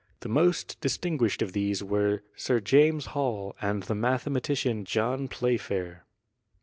The most distinguished of these were Sir James Hall and the mathematician John Playfair.